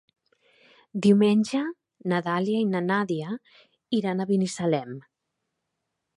Diumenge na Dàlia i na Nàdia iran a Binissalem.